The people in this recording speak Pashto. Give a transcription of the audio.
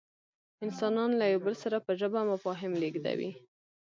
انسانان له یو بل سره په ژبه مفاهیم لېږدوي.